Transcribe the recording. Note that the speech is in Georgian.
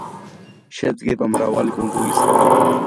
შედგება მრავალი კუნძულისაგან.